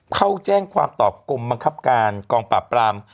เข้าแจ้งความต่อกรมบังคับการกองปราบปราม